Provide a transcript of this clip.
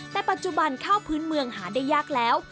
แต่ปัจจุบันข้าวพื้นเมืองหาได้ยากแล้ว